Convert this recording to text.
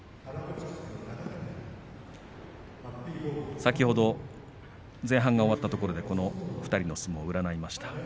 先ほど、前半が終わったところでこの２人の相撲を占いました。